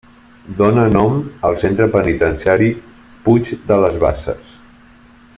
Dona nom al Centre Penitenciari Puig de les Basses.